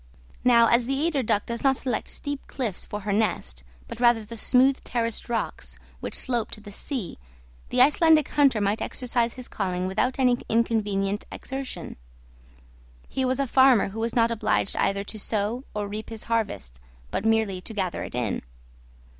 Now, as the eider duck does not select steep cliffs for her nest, but rather the smooth terraced rocks which slope to the sea, the Icelandic hunter might exercise his calling without any inconvenient exertion. He was a farmer who was not obliged either to sow or reap his harvest, but merely to gather it in.